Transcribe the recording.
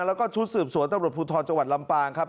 แล้วก็ชุดสืบสวนตำรวจภูทรจังหวัดลำปางครับ